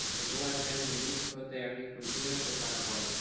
Llegó a ser Ministro de Agricultura, del Paraguay.